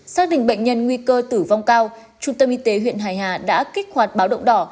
xác định bệnh nhân nguy cơ tử vong cao trung tâm y tế huyện hải hà đã kích hoạt báo động đỏ